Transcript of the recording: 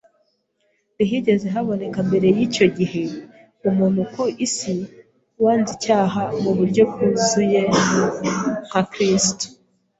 Ntihigeze haboneka mbere y’icyo gihe umuntu ku isi wanze icyaha mu buryo bwuzuye nka Kristo